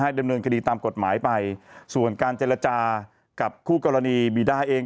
ดำเนินคดีตามกฎหมายไปส่วนการเจรจากับคู่กรณีบีดาเอง